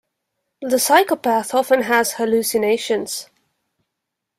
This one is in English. The psychopath often has hallucinations.